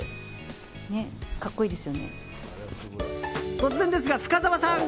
突然ですが、深澤さん！